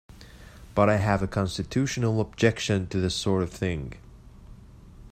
But I have a constitutional objection to this sort of thing.